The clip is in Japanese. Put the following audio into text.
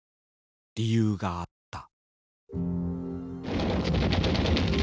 理由があった。